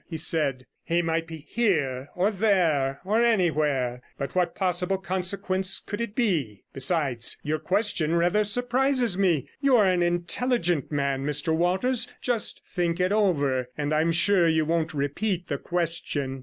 he said. 'He might be here, or there, or anywhere; but what possible consequence could it be? Besides, your question rather surprises me; you are an intelligent man, Mr Walters. Just think it over, and I'm sure you won't repeat the question.'